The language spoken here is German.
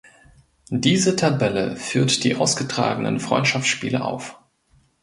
Diese Tabelle führt die ausgetragenen Freundschaftsspiele auf.